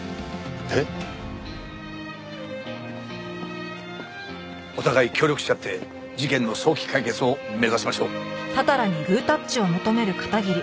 えっ？お互い協力し合って事件の早期解決を目指しましょう。